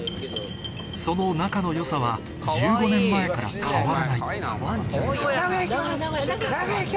その仲の良さは１５年前から変わらないヤァ！